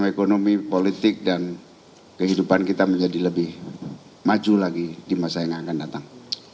ekonomi politik dan kehidupan kita menjadi lebih maju lagi di masa yang akan datang